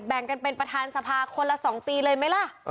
แบ่งกันเป็นประธานสภาคนละ๒ปีเลยไหมล่ะ